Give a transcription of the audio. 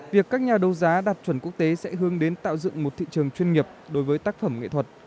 việc các nhà đấu giá đạt chuẩn quốc tế sẽ hướng đến tạo dựng một thị trường chuyên nghiệp đối với tác phẩm nghệ thuật